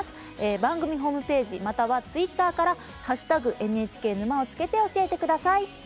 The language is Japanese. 番組ホームページまたはツイッターから「＃ＮＨＫ沼」をつけて教えて下さい。